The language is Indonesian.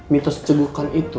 mitos cegukan itu